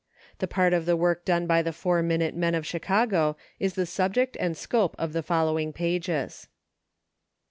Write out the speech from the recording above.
The part of the work done by the Four Minute Men of Chicago is the subject and scope of the following pages.